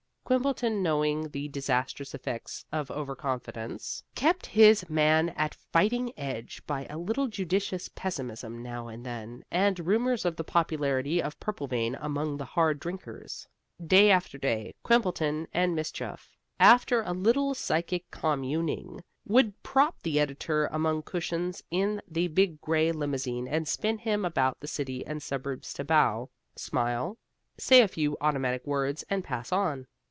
Quimbleton, knowing the disastrous effects of over confidence, kept his man at fighting edge by a little judicious pessimism now and then, and rumors of the popularity of Purplevein among the hard drinkers. Day after day Quimbleton and Miss Chuff, after a little psychic communing, would prop the editor among cushions in the big gray limousine and spin him about the city and suburbs to bow, smile, say a few automatic words and pass on.